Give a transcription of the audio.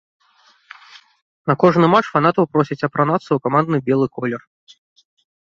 На кожны матч фанатаў просяць апранацца ў камандны белы колер.